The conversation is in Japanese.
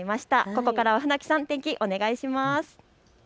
ここからは船木さん、天気お願いします。